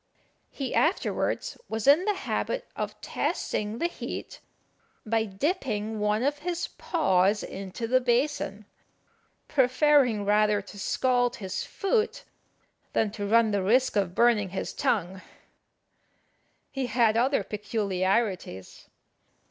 He afterwards was in the habit of testing the heat by dipping one of his paws into the basin, preferring rather to scald his foot than to run the risk of burning his tongue. He had other peculiarities.